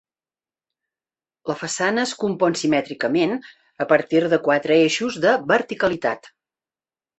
La façana es compon simètricament a partir de quatre eixos de verticalitat.